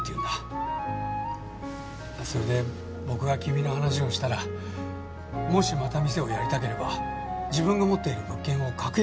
それで僕が君の話をしたらもしまた店をやりたければ自分が持っている物件を格安で提供するって。